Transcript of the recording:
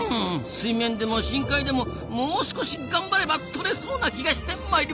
水面でも深海でももう少し頑張れば撮れそうな気がしてまいりましたぞ！